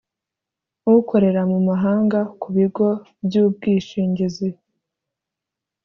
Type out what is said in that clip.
Ukorera mu mahanga ku bigo by ubwishingizi